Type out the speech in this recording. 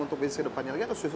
untuk bisnis ke depannya lagi atau